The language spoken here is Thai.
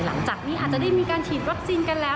หลังจากนี้อาจจะได้มีการฉีดวัคซีนกันแล้ว